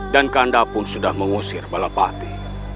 dan kanda pun sudah mengusir balapati